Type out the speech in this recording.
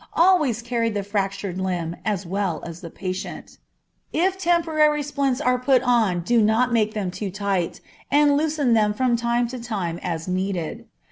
Always carry the fractured limb as well as the patient. If temporary splints are put on do not make them too tight, and loosen them from time to time as needed.